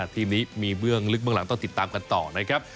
ทีมนี้มีเบื้องลึกเบื้องหลังต้องติดตามกันต่อนะครับ